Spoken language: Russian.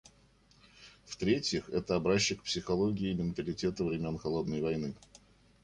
В-третьих, это образчик психологии и менталитета времен «холодной войны».